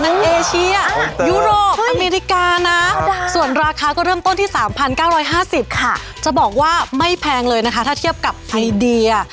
เอเชียยุโรปอเมริกานะส่วนราคาก็เริ่มต้นที่๓๙๕๐ค่ะจะบอกว่าไม่แพงเลยนะคะถ้าเทียบกับไอเดีย